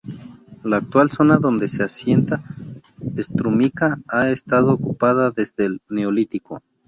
La actual zona donde se asienta Strumica ha estado ocupada desde el Neolítico.